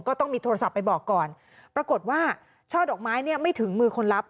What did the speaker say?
ก็ต้องมีโทรศัพท์ไปบอกก่อนปรากฏว่าช่อดอกไม้เนี่ยไม่ถึงมือคนรับ